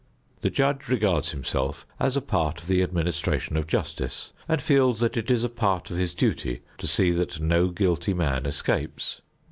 The judge regards himself as a part of the administration of justice and feels that it is a part of his duty to see that no guilty man escapes.